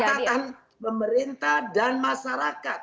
catatan pemerintah dan masyarakat